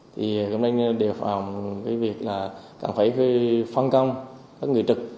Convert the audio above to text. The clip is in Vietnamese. thì hôm nay đều phòng cái việc là cần phải phân công các người trực